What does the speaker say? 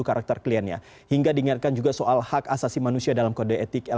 kami bekerja berdasarkan undang undang